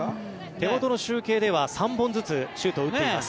手元の集計では３本ずつシュートを打っています。